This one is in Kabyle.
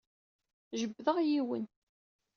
Jebdeɣ yiwen.